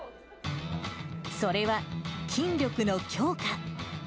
それは筋力の強化。